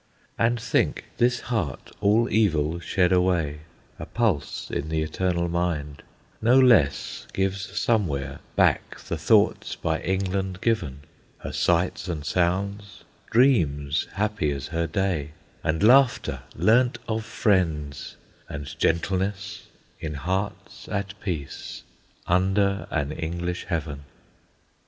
And think, this heart, all evil shed away, A pulse in the eternal mind, no less Gives somewhere back the thoughts by England given; Her sights and sounds; dreams happy as her day; And laughter, learnt of friends; and gentleness, In hearts at peace, under an English heaven.